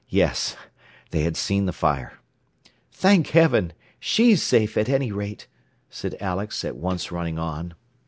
Yes; they had seen the fire! "Thank Heaven! She's safe at any rate," said Alex, at once running on.